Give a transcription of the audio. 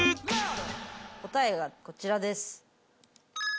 答えがこちらです。